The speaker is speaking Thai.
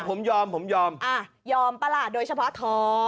ผมยอมยอมประหลาดโดยเฉพาะท้อง